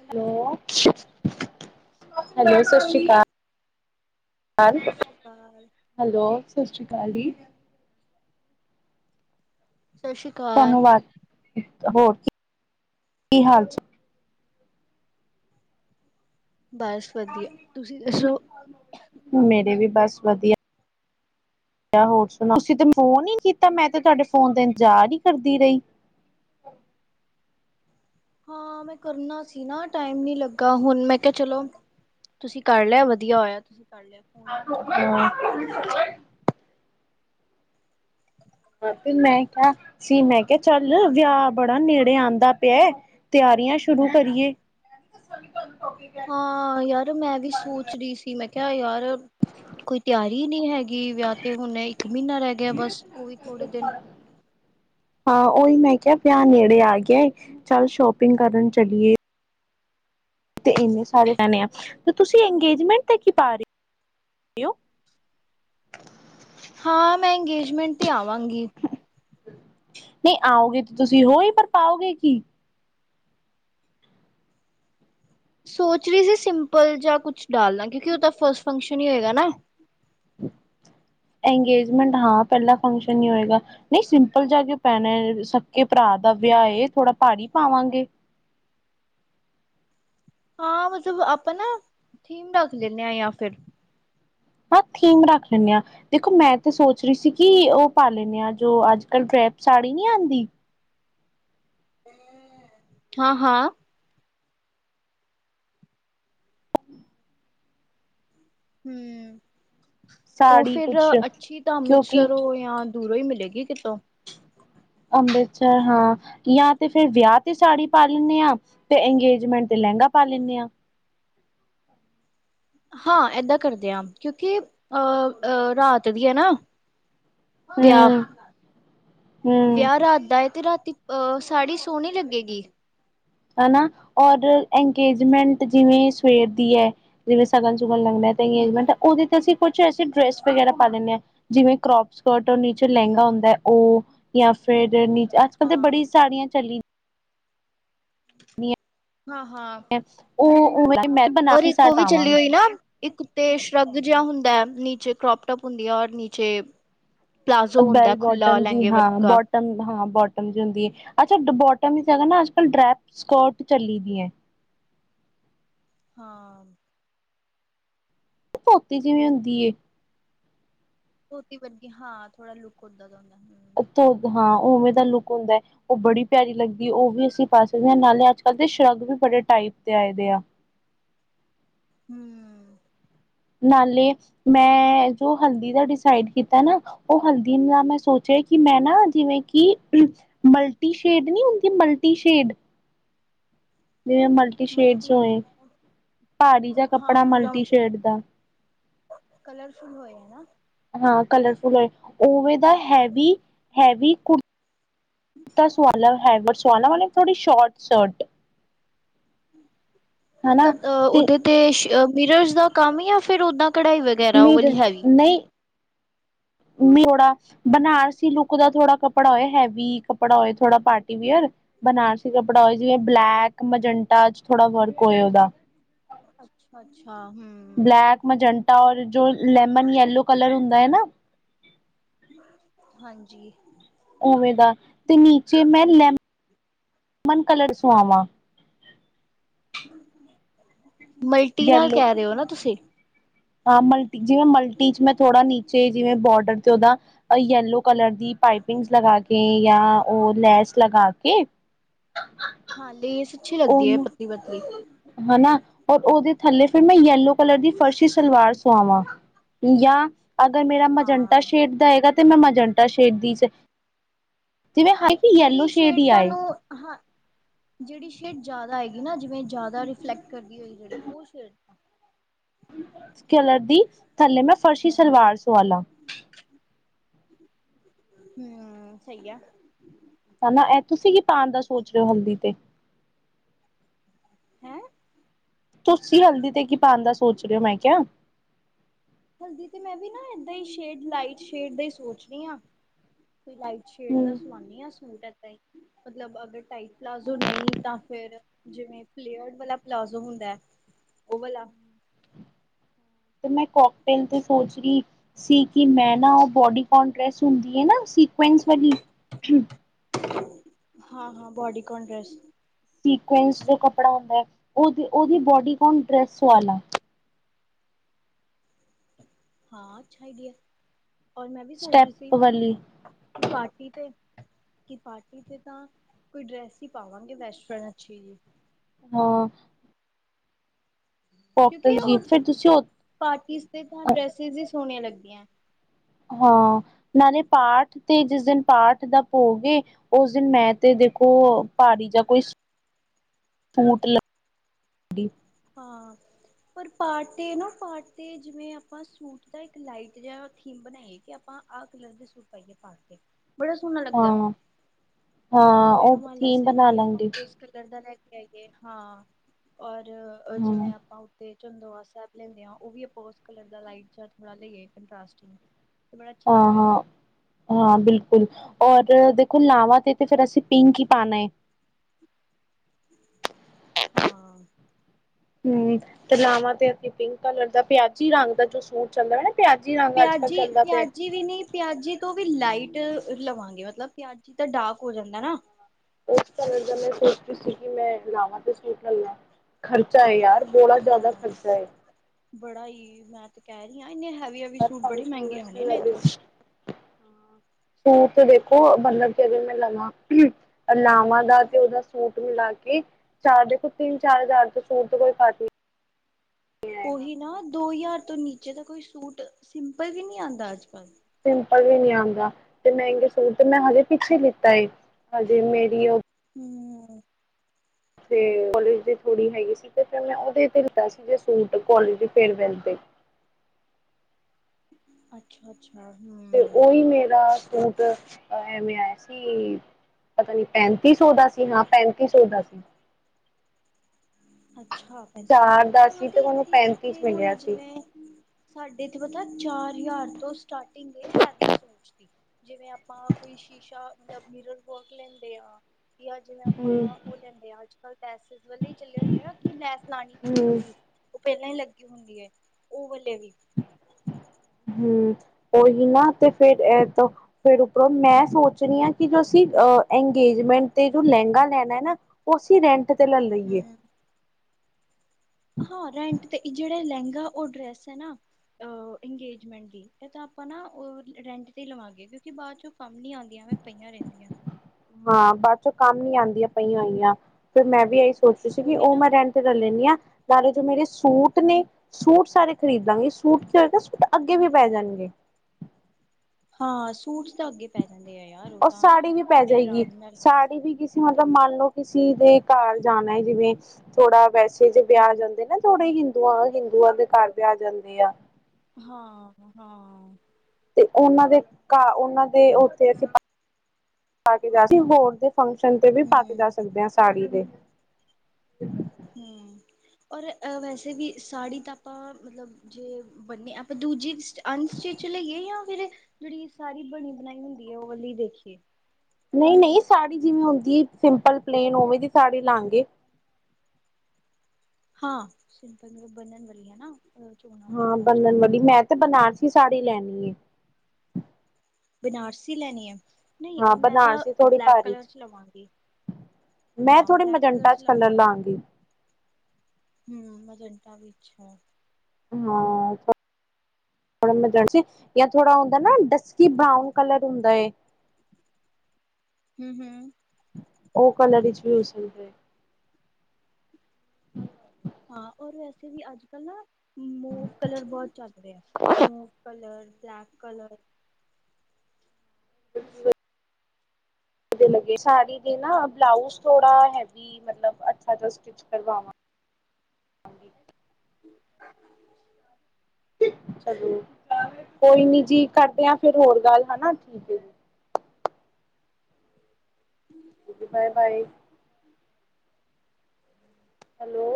Hello ਸਤਿ ਸ਼੍ਰੀ hello, ਅਕਾਲ, ਸਤਿ ਸ਼੍ਰੀ ਅਕਾਲ। ਹੈਲੋ, ਸਤਿ ਸ੍ਰੀ ਅਕਾਲ ਜੀ। ਸਤਿ ਸ਼੍ਰੀ ਤਾਨੂੰ ਅਕਾਲ ਵਾਜ--ਹੋਰ ਕੀ, ਹਾਲ ਚ? ਬਸ, ਵਧੀਆ ਤੁਸੀਂ ਦੱਸੋ? ਮੇਰੇ ਵੀ, ਬਸ ਵਧੀਆ। ਹੋਰ ਸੁਣਾ, ਤੁਸੀਂ ਤੇ ਫੋਨ ਹੀ ਕੀਤਾ, ਮੈਂ ਤੇ ਤੁਹਾਡੇ ਫੋਨ ਤੇ ਇੰਤਜ਼ਾਰ ਹੀ ਕਰਦੀ ਰਹੀ। ਹਾਂ ਮੈਂ ਕਰਨਾ ਸੀ ਨਾ, ਟਾਈਮ ਨੀ ਲੱਗਾ, ਹੁਣ ਮੈਂ ਕਿਹਾ ਚਲੋ ਤੁਸੀਂ ਕਰ ਲਿਆ, ਵਧੀਆ ਹੋਇਆ ਤੁਸੀਂ ਕਰ ਲਿਆ ਫੋਨ [unintelligible] ਮੈਂ ਕਿਹਾ, ਸੀ, ਹੋਰ ਮੈਂ ਕਿਹਾ ਬਤਾ ਚੱਲ ਵਿਆਹ ਬੜਾ ਨੇੜੇ ਆਉਂਦਾ ਪਿਆ, ਤਿਆਰੀਆਂ ਸ਼ੁਰੂ ਕਰੀਏ। ਹਾਂ ਯਾਰ, ਮੈਂ ਵੀ ਸੋਚ ਰਹੀ ਸੀ, ਮੈਂ ਕਿਹਾ ਯਾਰ ਕੋਈ ਤਿਆਰੀ ਨਹੀਂ ਹੈਗੀ, ਵਿਆਹ ਤੇ ਹੁਣ ਇੱਕ ਮਹੀਨਾ ਰਹਿ ਗਿਆ, ਬਸ ਉਹ ਵੀ ਥੋੜੇ ਦਿਨ। ਹਾਂ ਉਹੀ ਮੈਂ ਕਿਹਾ, ਵਿਆਹ ਨੇੜੇ ਆ ਗਿਆ, ਚੱਲ ਸ਼ੋਪਿੰਗ ਕਰਨ ਚਲੀਏ। ਤੇ ਇੰਨੇ ਸਾਰੇ ਜਾਣੇ ਆ, ਤੇ ਤੁਸੀਂ ਅੰਗੇਜਮੈਂਟ ਤੇ ਕੀ ਪਾ ਰਹੇ ਹੋ? [unintelligible] ਹਾਂ ਮੈਂ, ਇੰਗੇਜਮੈਂਟ ਤੇ ਆਵਾਂਗੀ। ਨਹੀਂ, ਆਓਗੇ ਤੇ ਤੁਸੀਂ ਹੋ ਹੀ, ਪਰ ਪਾਓਗੇ ਕੀ? ਸੋਚ ਰਹੀ ਸੀ, ਸਿੰਪਲ ਜਿਹਾ ਕੁਛ ਡਾਲਣਾ, ਕਿਉਂਕਿ ਉਹ ਤਾਂ ਫਸਟ ਫੰਕਸ਼ਨ ਹੀ ਹੋਏਗਾ ਨਾ। ਇੰਗੇਜਮੈਂਟ ਹਾਂ, ਪਹਿਲਾਂ ਫੰਕਸ਼ਨ ਹੀ ਹੋਏਗਾ। ਨਹੀਂ ਸਿੰਪਲ ਜਾ ਕਿਉਂ ਪੈਣਾ, ਸਕੇ ਭਰਾ ਦਾ ਵਿਆਹ ਏ, ਥੋੜਾ ਭਾਰੀ ਪਾਵਾਂਗੇ। ਹਾਂ ਮਤਲਬ ਆਪਾਂ ਨਾ ਥੀਮ ਰੱਖ ਲੈਂਦੇ ਹਾਂ ਜਾਂ ਫਿਰ ਹਾਂ ਥੀਮ ਰੱਖ ਲੈਂਦੇ ਹਾਂ ਦੇਖੋ ਮੈਂ ਤੇ ਸੋਚ ਰਹੀ ਸੀ ਕਿ ਉਹ ਪਾ ਲੈਂਦੇ ਆ ਜੋ ਅੱਜ ਕੱਲ ਡਰੈਪ ਸਾੜੀ ਨਹੀਂ ਆਉਂਦੀ ਹਾਂ ਹਾਂ ਹੂੰ ਉਹ ਸਾੜੀ ਫਿਰ ਕੁਛ ਅੱਛੀ ਤਾਂ ਕਿਉਂਕਿ ਅੰਮ੍ਰਿਤਸਰ ਓ ਜਾਂ ਦੂਰੋਂ ਹੀ, ਮਿਲੇਗੀ ਕਿਤੋਂ ਅੰਮ੍ਰਿਤਸਰ, ਹਾਂ ਜਾਂ ਤੇ ਫੇਰ ਵਿਆਹ ਤੇ ਸਾੜੀ ਪਾ ਲੈਂਦੇ ਹਾਂ, ਤੇ ਅੰਗੇਜਮੈਂਟ ਤੇ ਲਹਿੰਗਾ, ਪਾ ਲੈਂਦੇ ਹਾਂ ਹਾਂ ਏਦਾਂ ਕਰਦੇ ਆ, ਕਿਉਂਕਿ ਅਹ, ਰਾਤ ਦੀ ਹੈ, ਨਾ। ਵਿਆਹ, ਹਮ ਹਮ ਵਿਆਹ ਰਾਤ ਦਾ ਹੈ, ਤੇ ਰਾਤੀ ਸਾੜੀ, ਸੋਹਣੀ ਲੱਗੇਗੀ। ਹਨਾ, ਔਰ ਇੰਗੇਜਮੈਂਟ ਜਿਵੇਂ ਸਵੇਰ ਦੀ ਹੈ, ਜਿਵੇਂ ਸਗਨ, ਸੁਗਨ ਲਗਨਾ। ਹਮ ਅੰਗੇਜਮੈਂਟ ਉਹਦੇ ਤੇ, ਅਸੀਂ ਕੁਛ ਐਸੀੇ ਡਰੈਸ ਵਗੈਰਾ ਪਾ ਦਿੰਦੇ ਹਾਂ। ਜਿਵੇਂ ਕਰੋਪ ਸਕਰਟ, ਔਰ ਨੀਚੇ ਲਹਿੰਗਾ ਹੁੰਦਾ ਹੈ ਉਹ, ਜਾਂ ਫਿਰ ਨੀਚ ਅੱਜ -ਕੱਲ ਤੇ ਹਾਂ ਬੜੀ ਸੜੀਆਂ ਚਲੀਆਂ। ਹਾਂ [unintelligible] ਰ ਇੱਕ ਉਹ ਵੀ ਚੱਲੀ ਪਾਵਾਂਗੀ ਹੋਈ ਨਾ ਇੱਕ ਉੱਤੇ ਸ਼ਰੱਗ ਜਿਹਾ ਹੁੰਦਾ ਹੈ ਨੀਚੇ ਕਰੋਪਟਪ ਹੁੰਦੀ ਹੈ ਔਰ ਨੀਚੇ ਪਲਾਜ਼ੋ ਬੈਲ ਹੁੰਦਾ ਖੁੱਲਾ ਬੋਟਮ ਜੀ ਲਹਿੰਗੇ ਹਾਂ ਵਰਗਾ ਬੋਟਮ ਹਾਂ ਬੋਟਮ ਜ ਹੁੰਦੀ ਹੈ ਅੱਛਾ ਬੋਟਮ ਹੀ ਜਗਾ ਨਾ ਅੱਜ ਕੱਲ ਡਰੈਪ ਸਕਰਟ ਚੱਲੀ ਦੀ ਏ ਹਾਂ ਧੋਤੀ ਜਿਵੇਂ ਹੁੰਦੀ ਏ ਧੋਤੀ ਵਰਗੀ ਹਾਂ ਥੋੜਾ ਲੁੱਕ ਓਦਾਂ ਦਾ ਹੁੰਦਾ ਹ ਧ ਹਾਂ ਉਵੇਂ ਦਾ ਲੁੱਕ ਹੁੰਦਾ ਉਹ ਬੜੀ ਪਿਆਰੀ ਲੱਗਦੀ ਉਹ ਵੀ ਅਸੀਂ ਪਾ ਸਕਦੇ ਹਾਂ ਨਾਲੇ ਅੱਜ ਕੱਲ੍ਹ ਦੇ ਸ਼ਰਗ ਵੀ ਬੜੇ ਟਾਈਪ ਦੇ ਆਏਦੇ ਆ [unintelligible] ਨਾਲੇ ਮੈਂ ਜੋ ਹਲਦੀ ਦਾ ਡਿਸਾਈਡ ਕੀਤਾ ਨਾ ਉਹ ਹਲਦੀ ਲਈ ਮੈਂ ਸੋਚਿਆ ਕਿ ਮੈਂ ਨਾ ਜਿਵੇਂ ਕਿ ਮਲਟੀ ਸ਼ੇਡ ਨਹੀਂੀ ਹੁੰਦੀ ਮਲਟੀ ਸ਼ੇਡ ਜਿਵੇਂ ਮਲਟੀ ਸ਼ੇਡ ਹੋਏ ਭਾਰੀ ਜਿਆ ਹਾਂ ਕੱਪੜਾ ਪੂਰਾ ਮਲਟੀ ਮਤਲਬ ਸ਼ੇਡ ਦਾ ਕਲਰਫੁਲ ਹੋਏ ਨਾ ਹਾਂ ਕਲਰਫੁਲ ਹੋਏ ਓਵੇ ਦਾ ਹੈਵੀ ਹੈਵੀ ਕੁ [unintelligible] ਸਵਾ ਲਾ ਵਾਲੇ ਥੋੜੀ ਸ਼ੋਰਟ ਸ਼ਰਟ ਹਨਾ ਮਤਲਬ ਅ ਤੇ ਦੇ ਤੇ ਮਿਰਰ ਦਾ ਕੰਮ ਜਾਂ ਫਿਰ ਓਦਾਂ ਕਢਾਈ ਵ [unintelligible] ਨਹੀਂ [unintelligible] ਬਨਾਰਸੀ ਲੁੱਕ ਦਾ ਥੋੜਾ ਕੱਪੜਾ ਹੋਏ ਹੈਵੀ ਕੱਪੜਾ ਹੋਆ ਥੋੜਾ ਪਾਰਟੀਵੀਅਰ ਬਨਾਰਸੀ ਕੱਪੜਾ ਹੋਇ ਜਿਵੇਂ ਬਲੈਕ ਮਜੰਟਾ ਚ ਥੋੜਾ ਵਰਕ ਹੋਏ ਉਹਦਾ ਅੱਛਾ ਅੱਛਾ ਹੂੰ ਬਲੈਕ ਮਜੰਟਾ ਔਰ ਜੋ ਲੈਮਨ ਯਲੋ ਕਲਰ ਹੁੰਦਾ ਹੈ ਨਾ ਹਾਂਜੀ ਉਵੇਂ ਦਾ ਤੇ ਨੀਚੇ ਮੈਂ ਲ ਲਮਨ ਕਲਰ ਸੁਆਵਾਂ ਮਲਟੀ ਨਾਲ ਯੈਲੋ ਕਹਿ ਰਹੇ ਹੋ ਨਾ ਤੁਸੀਂ ਹਾਂ ਮਲਟੀ ਜਿਵੇਂ ਮਲਟੀ ਚ ਮੈਂ ਥੋੜ੍ਹਾ ਨੀਚੇ ਜਿਵੇਂ ਬੋਡਰ ਤੇ ਉਹਦਾ ਯਲੋ ਕਲਰ ਦੀ ਪਾਈਪਿੰਗਸ ਲਗਾ ਕੇ ਜਾਂ ਉਹ ਲੈਸ ਲਗਾ ਕੇ [inaudible] ਹਾਂ ਇਹ ਸੱਚੀ ਲੱਗਦੀ ਹੈ ਉਹਨੂੰ ਪਤਲੀ-ਪਤਲੀ ਹਨਾ ਔਰ ਉਹਦੇ ਥੱਲੇ ਫੇਿਰ ਮੈਂ ਯੈਲੋ ਕਲਰ ਦੀ ਫਰਸ਼ੀ ਸਲਵਾਰ ਸੁਆਵਾਂ ਜਾਂ ਅਗਰ ਮੇਰਾ ਮਜੰਟਾ ਹਾਂ ਸ਼ੇਡ ਦਾ ਹੈਗਾ ਤੇ ਮੈਂ ਮਜੰਟਾ ਸ਼ੇਡਦੀ ਜਿਹੜੀ ਸ਼ੇਡ ਸੇਡ, ਹੀ ਆਏ ਤੁਹਾਨੂ ਹਾਂ ਜਿਹੜੀ ਸ਼ੇਡ, ਜ਼ਿਆਦਾ ਹੈਏਗੀ ਨਾ, ਜਿਵੇਂ ਜ਼ਿਆਦਾ ਰਿਫਲੈਕਟ ਕਰਦੀ ਹੋਈ, ਜਿਹੜੀ ਉਹ ਸ਼ੇਡ ਇਸ ਕਲਰ ਦੀ, ਥੱਲੇ ਮੈਂ ਫਰਸ਼ੀ ਸਲਵਾਰ ਸਿਵਾਲਾ ਹੁੰ ਸਹੀ ਆ ਹਨਾ, ਐ ਤੁਸੀਂ ਕੀ ਪਾਉਣ ਦਾ ਸੋਚ ਰਹੇ ਹੋ ਹਲਦੀ ਤੇ? ਹੈਂ ਤੁਸੀਂ ਹਲਦੀ ਤੇ ਕੀ ਪਾਉਣ ਦਾ ਸੋਚ ਰਹੇ ਹੋ ਮੈਂ ਕਿਹਾ ਹਲਦੀ ਤੇ ਮੈਂ ਵੀ ਨਾ ਏਦਾਂ ਹੀ ਸ਼ੇਡ ਲਾਈਟ ਸ਼ੇਡ ਦਾ ਹੀ ਸੋਚ ਰਹੀ ਹਾਂ ਕੋਈ ਲਾਈਟ ਸ਼ੇਡ ਦਾ ਹਮ ਸਮਾਨੀ ਆ ਸੂਟ ਇਦਾਂ ਹੀ ਮਤਲਬ ਅਗਰ ਟਾਈਟ ਪਲਾਜ਼ੋ ਨਹੀਂ ਤਾਂ ਫਿਰ ਜਿਵੇਂ ਪਲੇਅਰ ਵਾਲਾ ਪਲਾਜ਼ੋ ਹੁੰਦਾ ਹੈ ਉਹ ਵਾਲਾ ਤੇ ਮੈਂ ਕੋਕਟੇਲ ਤੇ ਸੋਚ ਰਹੀ ਸੀ ਕਿ ਮੈਂ ਨਾ ਉਹ ਬੋਡੀ [unintelligible] ਹੁੰਦੀ ਹੈ ਨਾ ਸੀਿਕੁੈਂਸ ਵਾਲੀ ਹਾਂ ਹਾਂ ਬੋਡੀ [unintelligible] ਡੈਸ ਸ ਜੋ ਕੱਪੜਾ ਹੁੰਦਾ ਹੈ ਉਹ ਉਹਦੀ ਬੋਡੀ [unintelligible] ਡਰੈਸ ਵਾਲਾ ਹਾਂ ਅੱਛਾ ਇ ਆ ਸਟੈਪ ਵਾਲੀ ਪਾਰਟੀ ਤੇ ਕਿ ਪਾਰਟੀ ਤੇ ਤਾਂ ਕੋਈ ਡਰੈਸ ਹੀ ਪਾਵਾਂਗੇ ਵੈਸਟਰਨ ਅੱਛੀ ਜੀ ਹਾਂ ਕੋਕਟੇਲ ਕਿਉਂਕਿ, ਜੀ ਉਹ ਫਿਰ ਤੁਸੀਂ ਉਹ ਪਾਰਟੀਸ ਸਪੇਟ ਡ੍ਰੈਸਿਸ ਹੀ ਸੋਹਣੀਆਂ, ਲੱਗਦੀਆਂ ਹਾਂ, ਨਾਲੇ ਪਾਠ, ਤੇ ਜਿਸ ਦਿਨ ਪਾਠ ਦਾ ਭੋਗ ਉਸ ਦਿਨ, ਮੈਂ ਤੇ ਦੇਖੋ ਭਾਰੀ ਜਾਂ ਕੋਈ ਸੂਟ ਲੱਗੀ ਹਾਂ ਪਰ ਪਾਰਟੀ 'ਨੂੰ ਪਾਰਟੀ, ' ਜਿਵੇਂ ਆਪਾਂ ਸੂਟ ਦਾ, ਇੱਕ ਲਾਈਟ ਜਿਹਾ ਥੀਮ ਬਣਾਈਏ, ਕਿ ਆਪਾਂ ਆਹ ਕਲਰ ਦੇ ਸੂਟ, ਪਾਈਏ ਪਾਰਟੀ ਤੇ, ਬੜਾ ਸੋਹਣਾ ਲੱਗਦਾ ਹਾਂ ਹਾਂ, ਉ ਇੱਕ ਥੀਮ ਬਣਾ ਲੈਂਦੀ ਫਿਰ, ਦਰਦਾਂ ਲੈ ਲੈ ਕੇ ਹਾਂ ਔਰ ਹਾਂ ਜਿਵੇਂ, ਆਪਾਂ ਤੇ ਚੰਦੋਆ ਸਾਹਿਬ, ਲੈਂਦਿਆ ਉਹ ਵੀ ਅੋਜ ਕਲਰ ਦਾ ਲਾਈਟ ਲੈ ਲਈਏ, ਕੰਟ੍ਰਾਸਟ ਚ ਆ ਹਾਂ ਹਾਂ ਬਿਲਕੁਲ, ਔਰ ਦੇਖੋ ਲਾਵਾਂ ਤੇ ਤੇ ਫਿਰ ਅਸੀਂ, ਪਿੰਕ ਹੀ ਪਾਉਣਾ ਹੈ ਹਾਂ ਹੂ ਤੇ ਲਾਵਾਂ ਤੇ ਅਸੀ ਪਿੰਕ ਕਲਰ ਦਾ ਪਿਆਜੀ ਰੰਗ ਦਾ ਜੋ ਸੂਟ ਚੱਲਦਾ ਨਾ ਪਿਆਜੀ ਰੰਗ ਅੱਜ ਕੱਲ੍ਹ ਚੱਲਦਾ ਪਿਆ ਪਿਆਜੀ--ਪਿਆਜੀ ਵੀ ਨਹੀਂੀ ਪਿਆਜੀ, ਤੋਂ ਵੀ ਲਾਈਟ ਲਵਾਂਗੇ, ਮਤਲਬ ਪਿਆਜੀ ਤਾਂ ਡਾਰਕ ਹੋ ਜਾਂਦਾ, ਨਾ ਉਸ ਕਲਰ ਦਾ ਮੈਂ, ਸੋਚਦੀ ਸੀ ਕਿ ਮੈਂ ਲਾਵਾਂ ਤੇ ਸੂਟ ਲੈਲਾ ਖਰਚਾ ਹੈ, ਯਾਰ ਬੋੜਾ ਜ਼ਿਆਦਾ ਹਾਂ ਖਰਚਾ ਹੈ ਬੜਾ ਈ, ਮੈਂ ਤੇ ਕਹਿ ਰਹੀ ਹਾਂ, ਇੰਨੇ ਹੈਵੀਂ-ਹੈਵੀ [unintelligible] [inaudible] ਸੂਪ ਦੇਖੋ ਮੱਤਲਬ ਮੈ ਲਵਾਂ ਕਿ? ਲਾਵਾਂ ਦਾ ਤੇ ਉਹਦਾ, ਸੂਟ ਮਿਲਾ ਕੇ ਚਾਰ ਦੇਖੋ, ਤਿੰਨ ਚਾਰ ਹਜ਼ਾਰ ਤੋਂ ਸ਼ੂੂਰ, ਤੋਂ ਕੋਈ ਘੱਟ ਹੀ ਨਈਂ ਉਹੀ ਨਾ, ਦੋ ਹਜ਼ਾਰ ਤੋਂ ਨੀਚੇ ਦਾ ਕੋਈ ਸੂਟ ਸਿੰਪਲ, ਵੀ ਨਹੀਂ ਆਉਂਦਾ, ਅੱਜ ਕੱਲ੍ਹ ਸਿੰਪਲ ਵੀ ਨਹੀਂੀ ਆਉਂਦਾ, ਤੇ ਮਹਿੰਗੇ ਸੂਟ ਤੇ ਮੈਂ ਹਜੇ ਪਿੱਛੇ ਲਿੱਤਾ ਏ, ਹਜੇ ਮੇਰੀ ਉਹ ਹੁੰ ਤੇ ਕੋਲੇਜ ਦੀ ਕੁੜੀ ਹੈਗੀ ਸੀ, ਤੇ ਫਿਰ ਮੈਂ ਉਹਦੇ ਤੇ ਲਿੱਤਾ ਸੀ ਜੇ ਸੂਟ ਕੋਲੇਜ ਦੇ ਫਾਇਰਵੈੱਲ ਤੇ ਅੱਛਾ-ਅੱਛਾ ਤੇ ਹੁੰ ਉਹੀ ਮੇਰਾ ਐਵੇਂ ਆਇਆ ਸੀ, ਪਤਾ ਨੀ ਪੈਂਤੀ ਸੌ ਦਾ ਸੀ, ਹਾਂ ਪੈਂਤੀ ਸੌ ਦਾ ਸੀ। ਅੱਛਾ ਪੈਂਤੀ ਸੌ, ਚਾਰ ਦਾ ਹਾਂ ਸੀ ਤੇ ਮੈਨੂੰ ਇੱਥੇ ਪੈਂਤੀ ਚ ਇੱਥੇ ਹੁਣ ਮਿਲਿਆ ਸੀ ਜਿਵੇਂ ਸਾਡੇ ਇੱਥੇ ਪਤਾ, ਚਾਰ ਹਜ਼ਾਰ ਤੋਂ ਸਟਾਰਟਿੰਗ ਹੈਵੀ, ਸ਼ੂਟ ਦੀ ਜਿਵੇਂ ਆਪਾਂ ਕੋਈ ਸ਼ੀਸ਼ਾ, ਮਤਲਬ ਮਿਰਰ ਵੋਕ ਲੈਂਦੇ ਹਾਂ ਕਿ ਆ ਜਿਵੇਂ ਹਮ ਆਪਾਂ ਓ ਲੈਂਦੇ ਆਂ, ਆੱਜ-ਕਾੱਲ ਪੈਸ ਵੇਈ ਚੱਲੇ ਹੋਏ ਕਿ ਲੈਸ ਲਾਣੀ ਕੀ ਹਮ ਪੇਂਦੀ। ਓ ਪੈਲਈ ਲੱਗੀ ਹੁੰਦੀ ਏ, ਓ ਵਾਲੇ ਵੀ। ਹੂੰ, ਓਹੀ ਨਾ ਤੇ ਫੇਰ ਐ ਤੋ ਫੇਰ ਉਪਰੋਂ ਮੈਂ ਸੋਚ ਰਈ ਆਂ ਕਿ, ਜੋ ਅਸੀਂ ਅ ਐਂਗੇਜਮੈਂਟ ਤੇ ਜੋ ਲੈਂਗਾ ਲੈਨੈ ਏ ਨਾ। ਓ ਅਸੀ ਰੇਂ ਹੂ ਹਾਂ, ਰੈਂਟ ਤੇ ਜਿਹੜਾ ਲਹਿੰਗਾ, ਉਹ ਡਰੈਸ ਹੈ, ਨਾ ਇੰਗੇਜਮੈਂਟ ਦੀ ਤਾਂ ਆਪਾਂ ਨਾ ਉਹ ਰੈਂਟ ਤੇ ਲਵਾਂਗੇ, ਕਿਉਂਕਿ, ਬਾਅਦ ਚੋਂ ਕੰਮ ਨਹੀਂ ਆਉਂਦਾ ਜਿਵੇ, ਮੈਂ ਪਈਆਂ ਰਹਿੰਦੀਆਂ ਹਾਂ, ਬਾਅਦ ਚੋਂ ਕੰਮ ਨੀ ਆਉਂਦੀਆਂ ਪਈਆਂ ਹੋਈਆਂ, ਫਿਰ ਮੈਂ ਵੀ ਇਹੀ ਸੋਚਦੀ ਸੀ ਕਿ, ਉਹੀ ਉਹ ਨਾ ਮੈਂ ਰਹਿ ਇਜ ਕਰ ਲੈਂਦੀ, ਸਾਰੇ ਜਿਹੜੇ ਮੇਰੇ ਸੂਟ ਨੇ ਸੂਟ ਸਾਰੇ ਖਰੀਦਾ ਗੇ ਸੂਟ ਕੀ ਏ ਸੂਟ ਅੱਗੇ ਵੀ ਪੈ, ਜਾਣਗੇ। ਹਾਂ ਸੂਟ ਤਾਂ ਅੱਗੇ ਪੈ ਜਾਂਦੇ ਆ ਯਾਰ, ਉਹ ਤਾਂ ਬੜੇ ਆਰਾਮ ਨਾਲ ਹਾੜੀ ਵੀ ਕਿਸ ਤੁਸੀਂ ਮਤਲਬ ਮੰਨ ਲਓ ਕਿਸੀ ਦੇ ਘਰ ਜਾਣਾ ਹੈ, ਜਿਵੇਂ ਥੋੜਾ ਵੈਸੇ ਜੇ ਵਿਆਹ, ਹੂੰ ਜਾਂਦੇ ਨਾ ਤੁਹਾਡੇ ਹਿੰਦੂਆਂ ਹਿੰਦੂਆਂ ਦੇ ਘਰ ਵਿਆਹ ਜਾਂਦੇ ਆ ਹਾਂ, ਹਾਂ। ਤੇ ਓਨਾਂ ਦੇ ਘਾ ਓਨਾਂ ਦੇ ਓਥੇ ਅਸੀ, ਹੋਰ ਦੇ ਫੰਕਸ਼ਨ ਤੇ ਵੀ ਪਾ ਕੇ ਜਾ ਹੂੰ ਸਕਦੇ ਆ ਸਾੜੀ ਦੇ। ਹੂੰ, ਓਰ ਅ ਵੈਸੇ ਵੀ ਸਾੜੀ ਤਾਂ ਆਪਾਂ ਮਤਲਬ ਜੇ ਬੰਨੀ ਆਪਾਂ ਦੂਜੀ ਅ, ਅਨਸੀਟੀਚ ਲਈਏ ਯਾ ਫਿਰ ਜੇੜੀ ਸਾਰੀ ਬਨੀ ਬਣਾਈ ਹੁੰਦੀ ਏ, ਓ ਵਾਲੀ ਦੇਖੀਏ। ਨਈ, ਨਈ ਸਾੜੀ ਜਿਵੇਂ ਹੁੰਦੀ ਏ ਸਿੰਪਲ ਪਲੇਨ ਉਵੇਂ ਦੀ ਸਾੜੀ ਲਾਂਗੇ। ਹਾਂ, ਸਿੰਪਲ ਮਤਲਬ ਬਨਨ ਵਾਲੀ ਏ ਨਾ ਅ ਹਾਂ ਬੰਨਨ ਵਾਲੀ, ਮੈਂ ਤੇ ਬਨਾਰਸੀ ਸਾੜੀ ਲੈਨੀ ਏ। ਬਨਾਰਸੀ ਲੈਨੀ ਏ? ਨਈ ਹਾਂ ਅ ਮੈਂ ਤਾਂ ਬਨਾਰਸੀ ਥੋੜੀ ਬਲੈਕ ਭਾਰੀ ਕਲਰ ਚ ਲਵਾਂਗੀ। ਮੈਂ ਥੋੜ ਮਜੰਟਾਂ ਚ ਕਲਰ ਲਾਂਗੀ। ਹੂੰ, ਮਜੰਟਾ ਵੀ ਅੱਛਾ ਐ। ਹਾਂ, ਯਾ ਥੋੜਾ ਹੁੰਦਾ ਨਾ ਕੀ ਬਾਊਨ ਕਲਰ ਹੁੰਦਾ ਏ? ਹੂੰ, ਹੂੰ। ਓ ਕਲੜ ਚ ਵੀ [unintelligible] [inaudible] ਹਾਂ, ਓਰ ਵੈਸੇ ਵੀ ਆੱਜ-ਕੱਲ ਨਾ ਮੋਪ ਕਲਰ ਬੋਤ ਚਾੱਲ ਰੇਆ ਮੋਪ ਕਲਰ, ਬਲੈਕ ਕਲਰ। ਸਾੜੀ ਦੇ ਨਾ, ਬਲਾਊਜ ਥੋੜਾ ਹੈਵੀ ਮਤਲਬ, ਅੱਛਾ ਜਾ ਸਿਟਿਚ ਕਰਵਾਵਾਂ [inaudible] ਚਲੋ ਕੋਈ ਨੀ ਜੀ ਕਰਦੇ ਆ, ਫਿਰ ਹੋਰ ਗਾੱਲ ਹਨਾ ਠੀਕ ਏ ਜੀ। [unintelligible] Okay, bye bye. ਹੈਲੋ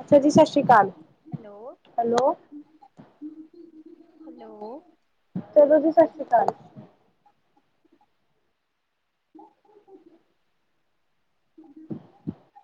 ਅੱਛਾ ਜੀ ਸਸ੍ਰੀ ਕਾਲ, ਹੈਲੋ ਹੈਲੋ ਹੈਲੋ ਚਲੋ ਜੀ, ਸਸ ਸ੍ਰੀ ਕਾਲ। [inaudible]